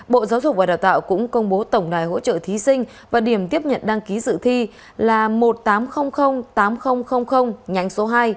bộ giáo dục và đào tạo cũng công bố tổng đài hỗ trợ thí sinh và điểm tiếp nhận đăng ký dự thi là một nghìn tám trăm linh tám nghìn nhánh số hai